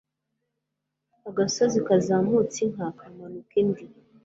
agasozi kazamutse inka kamanuka indi